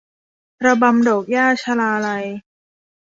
ระบำดอกหญ้า - ชลาลัย